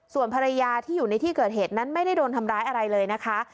ส่วนภรรยาที่อยู่ในที่เกิดเหตุนั้นไม่ได้โดนทำร้ายอะไรเลยนะคะ